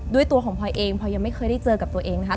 ตัวของพลอยเองพลอยยังไม่เคยได้เจอกับตัวเองนะคะ